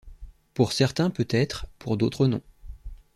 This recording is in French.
Pour certains peut-être, pour d’autres non.